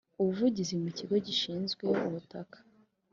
ubuvugizi mu Kigo gishinzwe ubutaka